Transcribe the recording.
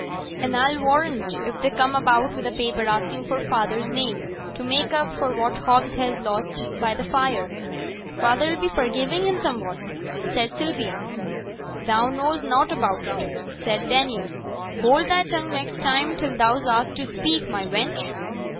'An' a'll warrant if they come about wi' a paper asking for feyther's name to make up for what Hobbs has lost by t' fire, feyther 'll be for giving him summut,' said Sylvia. 'Thou knows nought about it,' said Daniel. 'Hold thy tongue next time till thou's axed to speak, my wench.'